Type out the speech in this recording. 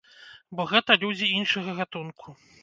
Бо гэта людзі іншага гатунку.